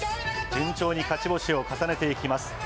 順調に勝ち星を重ねていきます。